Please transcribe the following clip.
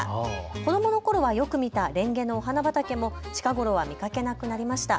子どものころはよく見たレンゲのお花畑も近頃は見かけなくなりました。